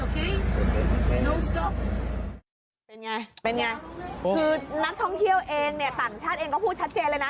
คือนักท่องเที่ยวเองเนี่ยต่างชาติเองก็พูดชัดเจนเลยนะ